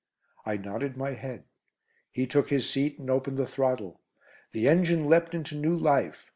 I nodded my head. He took his seat, and opened the throttle. The engine leapt into new life.